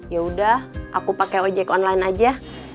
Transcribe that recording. ya udah aku pakai ojek online aja